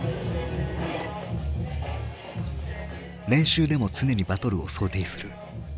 練習でも常にバトルを想定する。